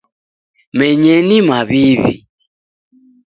Menyeni mawiwi